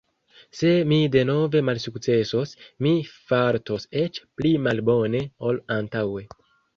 Se mi denove malsukcesos, mi fartos eĉ pli malbone ol antaŭe.